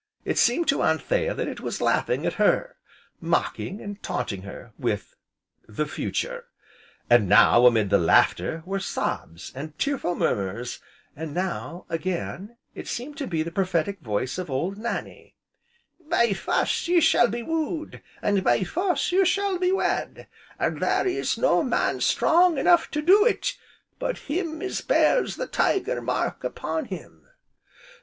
It seemed to Anthea that it was laughing at her, mocking, and taunting her with the future. And now, amid the laughter, were sobs, and tearful murmurs, and now, again, it seemed to be the prophetic voice of old Nannie: "'By force ye shall be wooed and by force ye shall be wed, and there is no man strong enough to do it, but him as bears the Tiger Mark upon him!'"